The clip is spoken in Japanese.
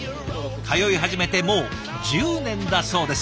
通い始めてもう１０年だそうです。